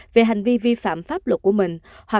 về hành vi vi phạm pháp luật của mình